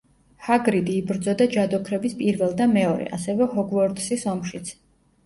ჰაგრიდი იბრძოდა ჯადოქრების პირველ და მეორე, ასევე ჰოგვორტსის ომშიც.